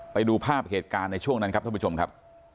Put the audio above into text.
ไปดูภาพเหตุการณ์ในช่วงนั้นครับท่านผู้ชมครับ